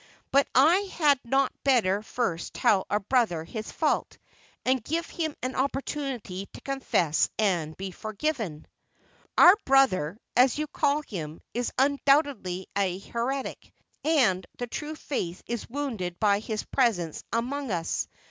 "But had I not better first tell our brother his fault, and give him an opportunity to confess and be forgiven?" "Our brother, as you call him, is undoubtedly a heretic, and the true faith is wounded by his presence amongst us.